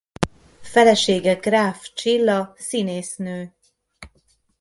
Felesége Gráf Csilla színésznő.